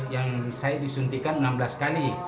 yang saya disuntikan enam belas kali